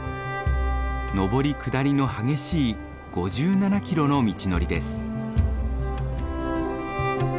上り下りの激しい５７キロの道のりです。